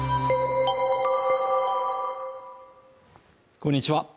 こんにちは